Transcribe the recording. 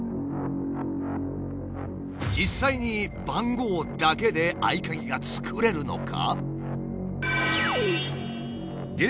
実際に番号だけで合鍵が作れるのか？